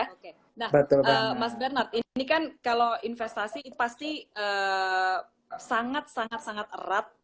oke nah mas bernard ini kan kalau investasi pasti sangat sangat erat